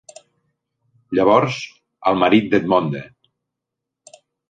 Llavors, el marit d'Edmonde.